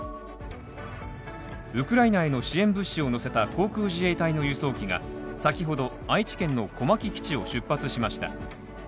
ウクライナへの支援物資を乗せた航空自衛隊の輸送機が先ほど愛知県の小牧基地を出発しました。